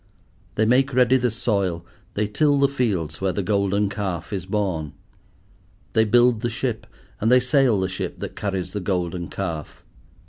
They make ready the soil, they till the fields where the Golden Calf is born. They build the ship, and they sail the ship that carries the Golden Calf.